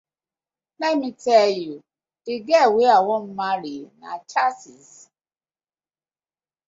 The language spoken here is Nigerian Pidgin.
Lemme teeh yu, de girl wey I wan marry na chasis.